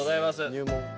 入門。